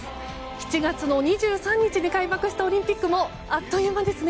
７月の２３日に開幕したオリンピックもあっという間ですね。